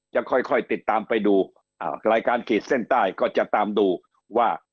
จะค่อยติดตามไปดูรายการขีดเส้นใต้ก็จะตามดูว่า